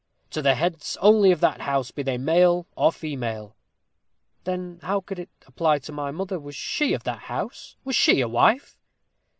"To the heads only of that house, be they male or female." "Then how could it apply to my mother? Was she of that house? Was she a wife?"